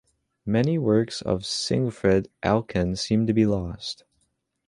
Many works of Siegfried Alkan seem to be lost.